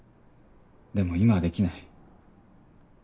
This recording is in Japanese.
でも今は出来ない。